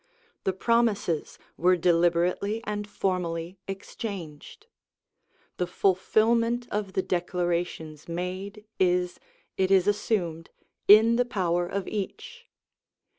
The promises were deliberately and formally exchanged. The fulfilment of the declarations made is, it is assumed, in the power of each.